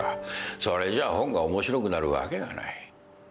それじゃあ本が面白くなるわけがない。